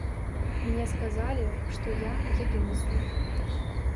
Мне сказалі, што я еду на суд.